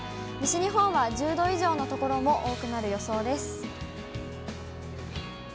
西日本は１０度以上の所も多くなる予想です。